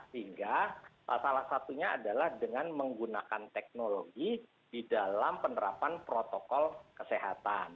sehingga salah satunya adalah dengan menggunakan teknologi di dalam penerapan protokol kesehatan